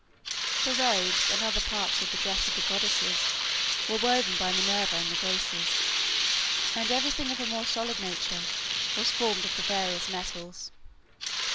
The robes and other parts of the dress of the goddesses were woven by Minerva and the Graces and everything of a more solid nature was formed of the various metals.